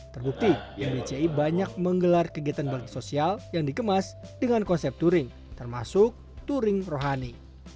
terbukti mbci banyak menggelar kegiatan balik sosial yang dikemas dengan konsep touring termasuk touring rohani